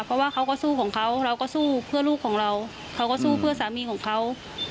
เพราะว่าเขาก็สู้ของเขาเราก็สู้เพื่อลูกของเราเขาก็สู้เพื่อสามีของเขา